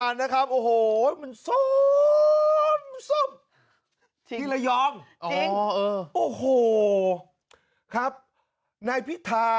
เรียบร้อยครับโอ้โหมันซอมที่ละยองจริงโอ้โหครับนายพิษฐา